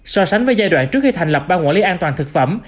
so sánh với giai đoạn trước khi thành lập ban quản lý an toàn thực phẩm